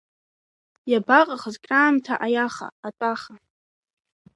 Иабаҟахыз краамҭа аиаха, атәаха.